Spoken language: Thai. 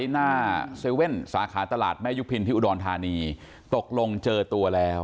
หน้า๗๑๑สาขาตลาดแม่ยุพินที่อุดรธานีตกลงเจอตัวแล้ว